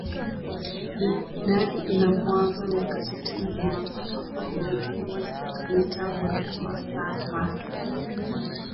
Idhaa ilipoanza miaka ya sitini iliyopita ilikua inatumia mitambo ya masafa mafupi